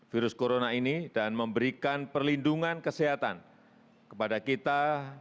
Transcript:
virus corona ini dan memberikan perlindungan kesehatan kepada kita